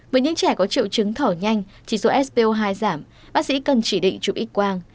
với những trẻ có triệu chứng thở nhanh chỉ số spo hai giảm bác sĩ cần chỉ định chụp x quang